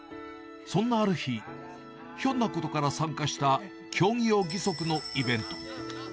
そんなある日、ひょんなことから参加した競技用義足のイベント。